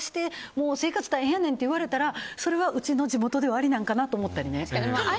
もう生活大変やねんって言われたら、それはうちの地元ではありかなと思ったり。